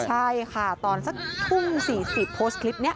ใช่ค่ะตอนสักทุ่ม๔๐โพสต์คลิปนี้